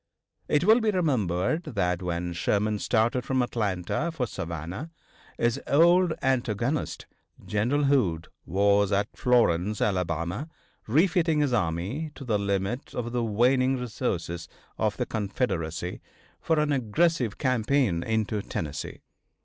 It will be remembered that when Sherman started from Atlanta for Savannah his old antagonist, General Hood, was at Florence, Alabama, refitting his army to the limit of the waning resources of the Confederacy, for an aggressive campaign into Tennessee.